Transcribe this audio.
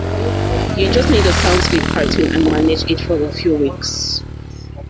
You just need a sound sleep pattern and manage it for a few weeks.